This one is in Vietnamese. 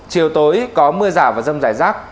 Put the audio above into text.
chiều tối có mưa rào và rông dài rác